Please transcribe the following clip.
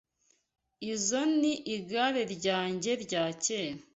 Izoi ni igare ryanjye rya kera.